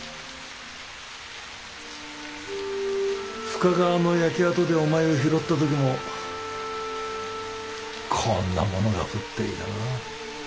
深川の焼け跡でお前を拾った時もこんなものが降っていたな。